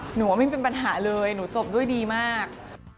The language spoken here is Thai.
หนูว่าไม่เป็นปัญหาเลยหนูจบด้วยดีมาก